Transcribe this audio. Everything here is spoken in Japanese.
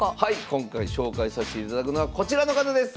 今回紹介さしていただくのはこちらの方です！